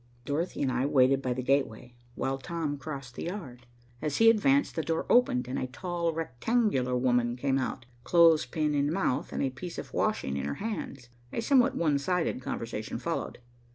Dorothy and I waited by the gateway, while Tom crossed the yard. As he advanced, the door opened and a tall, rectangular woman came out, clothespin in mouth and a piece of washing in her hands. A somewhat one sided conversation followed.